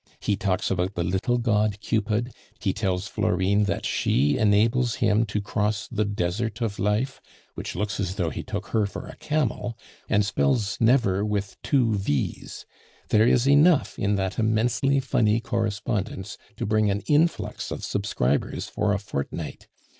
He talks about the 'little god Cupid,' he tells Florine that she enables him to cross the desert of life (which looks as if he took her for a camel), and spells 'never' with two v's. There is enough in that immensely funny correspondence to bring an influx of subscribers for a fortnight.